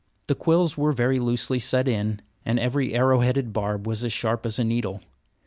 The quills were very loosely set in, and every arrowheaded barb was as sharp as a needle.